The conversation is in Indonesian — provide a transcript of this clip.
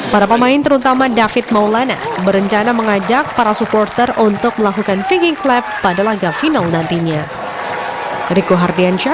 para pemain terutama david maulana berencana mengajak para supporter untuk melakukan viking clap pada laga final nantinya